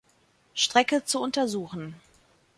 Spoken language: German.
Strecke zu untersuchen.